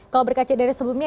kalau berkaca dari sebelumnya